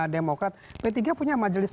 demokrat p tiga punya majelis